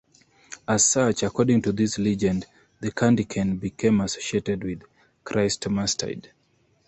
As such, according to this legend, the candy cane became associated with Christmastide.